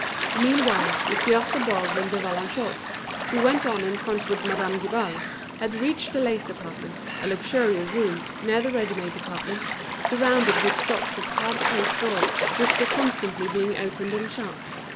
Meanwhile, Monsieur de Boves and De Vallagnosc, who went on in front with Madame Guibal, had reached the lace department, a luxurious room, near the ready made department, surrounded with stocks of carved oak drawers, which were constantly being opened and shut.